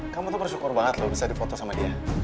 kamu tuh bersyukur banget loh bisa dipoto sama dia